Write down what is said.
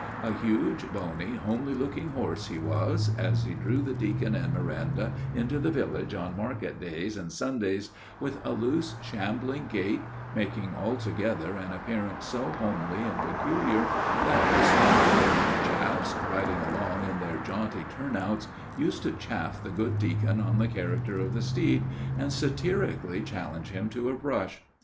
A huge, bony, homely looking horse he was, who drew the deacon and Miranda into the village on market days and Sundays, with a loose, shambling gait, making altogether an appearance so homely and peculiar that the smart village chaps riding along in their jaunty turn outs used to chaff the good deacon on the character of his steed, and satirically challenge him to a brush.